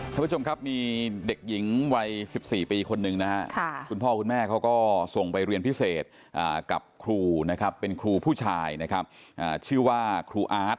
ท่านผู้ชมครับมีเด็กหญิงวัย๑๔ปีคนหนึ่งนะฮะคุณพ่อคุณแม่เขาก็ส่งไปเรียนพิเศษกับครูนะครับเป็นครูผู้ชายนะครับชื่อว่าครูอาร์ต